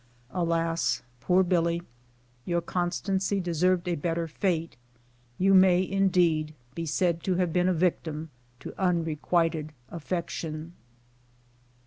Alas ! poor Billy ! your constancy deserved a better fate ; you may, indeed, be said to have been a victim to unre quited affection.